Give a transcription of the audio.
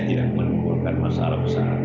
tidak menimbulkan masalah besar